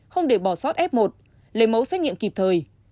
không để bỏ sót f một lấy mẫu xét nghiệm kịp thời